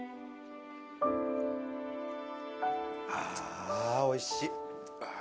あおいしい。